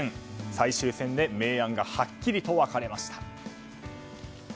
最終戦で明暗がはっきりと分かれました。